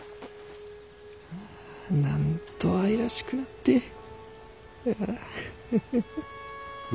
なんと愛らしくなってハハハ。